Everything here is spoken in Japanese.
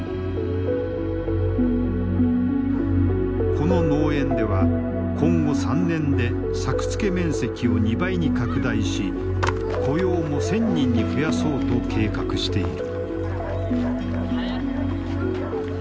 この農園では今後３年で作付面積を２倍に拡大し雇用も１，０００人に増やそうと計画している。